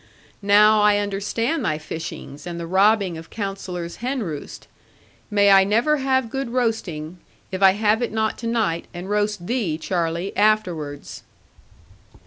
Now, I understand thy fishings, and the robbing of Counsellor's hen roost. May I never have good roasting, if I have it not to night and roast thee, Charlie, afterwards!'